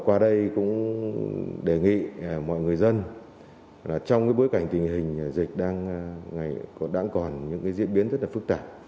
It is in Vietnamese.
qua đây cũng đề nghị mọi người dân trong bối cảnh tình hình dịch đang còn những diễn biến rất là phức tạp